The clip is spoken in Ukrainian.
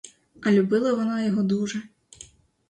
А любила вона його дуже.